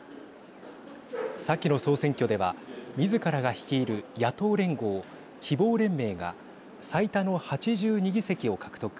先の総選挙ではみずからが率いる野党連合・希望連盟が最多の８２議席を獲得。